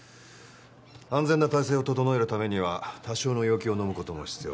安全な態勢を整えるためには多少の要求をのむ事も必要では？